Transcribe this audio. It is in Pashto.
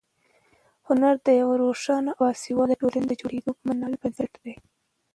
هنر د یوې روښانه او باسواده ټولنې د جوړېدو معنوي بنسټ دی.